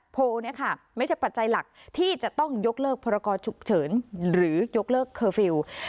โพลเนี่ยค่ะไม่ใช่ปัจจัยหลักที่จะต้องยกเลิกพรกรฉุกเฉินหรือยกเลิกเคอร์ฟิลล์